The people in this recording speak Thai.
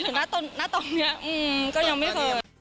จนถึงหน้าตรงนี้ก็ยังไม่เคย